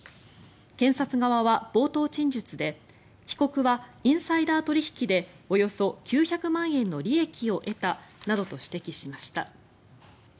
検察側は冒頭陳述で被告はインサイダー取引でおよそ９００万円の利益を得たなどと指摘しました。